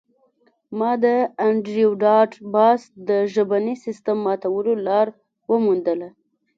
ما د انډریو ډاټ باس د ژبني سیستم ماتولو لار وموندله